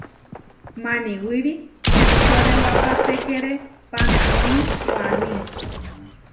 Maniwirí ihčorewapatékere pantaóni waní.